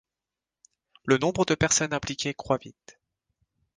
Le nombre de personnes impliquées croît vite.